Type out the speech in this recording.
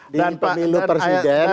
dan pemilu presiden